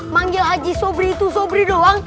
manggil haji sobri itu sobri doang